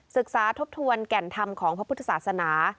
ทบทวนแก่นธรรมของพระพุทธศาสนา